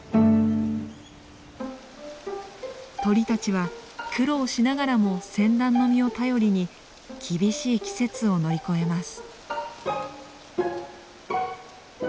鳥たちは苦労しながらもセンダンの実を頼りに厳しい季節を乗り越えます。